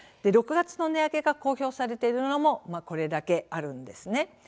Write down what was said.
６月の値上げが公表されているのもこれだけあるんですね。